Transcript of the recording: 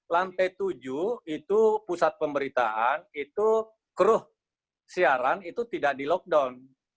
lantai tujuh itu pusat pemberitaan itu kru siaran itu tidak di lockdown